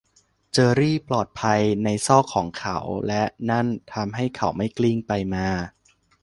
เจอร์รี่ปลอดภัยในซอกของเขา และนั้นทำให้เขาไม่กลิ้งไปมา